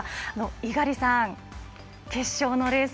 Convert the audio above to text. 猪狩さん、決勝のレース